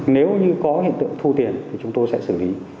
nếu như có hiện tượng thu tiền thì chúng tôi sẽ xử lý